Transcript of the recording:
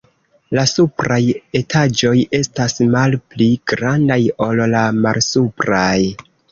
La supraj etaĝoj estas malpli grandaj ol la malsupraj.